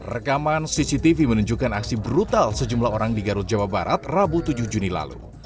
rekaman cctv menunjukkan aksi brutal sejumlah orang di garut jawa barat rabu tujuh juni lalu